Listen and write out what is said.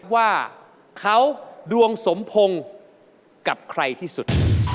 ว่าเขาดวงสมพงศ์กับใครที่สุด